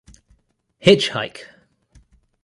Hitchhike!